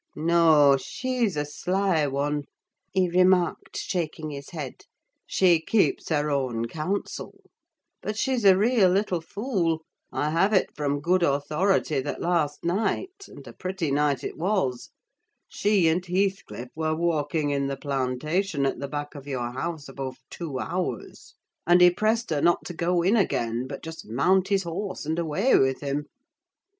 "No, she's a sly one," he remarked, shaking his head. "She keeps her own counsel! But she's a real little fool. I have it from good authority that last night (and a pretty night it was!) she and Heathcliff were walking in the plantation at the back of your house above two hours; and he pressed her not to go in again, but just mount his horse and away with him!